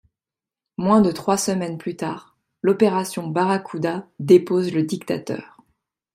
Moins de trois semaines plus tard, l'Opération Barracuda dépose le dictateur.